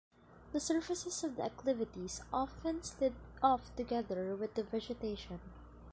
The surfaces of the acclivities often slid off together with the vegetation.